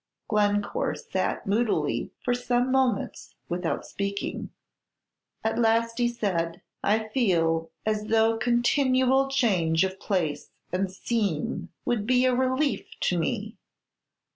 Glencore sat moodily for some moments without speaking; at last he said, "I feel as though continual change of place and scene would be a relief to me.